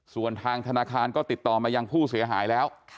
ส่วนทางธนาคารก็ติดต่อมายังผู้เสียหายแล้ว